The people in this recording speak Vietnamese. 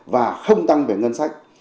và không tăng về ngân sách